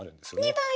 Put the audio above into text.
「２倍！